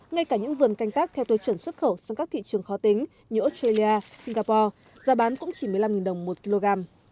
ngay cả những vườn canh tác theo tiêu chuẩn xuất khẩu sang các thị trường khó tính như australia singapore giá bán cũng chỉ một mươi năm đồng một kg